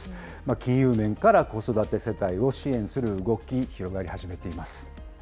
金融面から子育て世帯を支援する動き、広がり始めています。